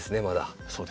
そうですね。